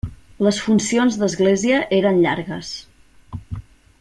Les funcions d'església eren llargues.